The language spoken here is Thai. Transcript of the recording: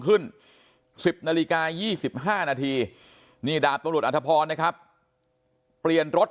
ขึ้น๑๐นาฬิกา๒๕นาทีนี่ดาบตำรวจอัธพรนะครับเปลี่ยนรถ